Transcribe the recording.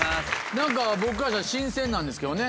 何か僕からしたら新鮮なんですけどね。